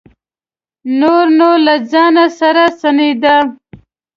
نور نو له ځانه سره سڼېده.